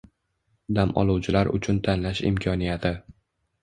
Dam oluvchilar uchun tanlash imkoniyati